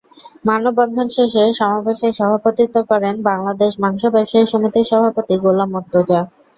মানববন্ধন শেষে সমাবেশে সভাপতিত্ব করেন বাংলাদেশ মাংস ব্যবসায়ী সমিতির সভাপতি গোলাম মুর্তুজা।